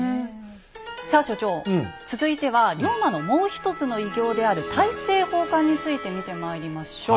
さあ所長続いては龍馬のもう一つの偉業である「大政奉還」について見てまいりましょう。